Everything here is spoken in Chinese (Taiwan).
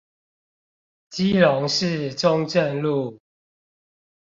基隆市中正路